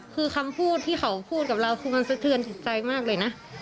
คือคำพูดที่เขาพูดกับเราคือมันสะเทือนจิตใจมากเลยนะ